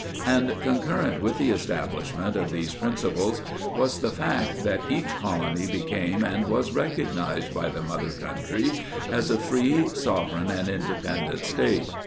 And concurrent with the establisement of these principles, was the fact, that each Colony became and was recognized by the mother Country as a FREE, SOVER EIGN AND INDEPENDENT STATE.